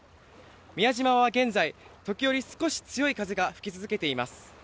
宮島は現在、時折少し強い風が吹き続けています。